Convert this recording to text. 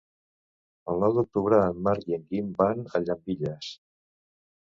El nou d'octubre en Marc i en Guim van a Llambilles.